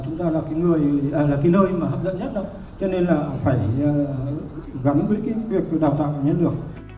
không hấp dẫn nhất đâu cho nên là phải gắn với việc đào tạo nhân lực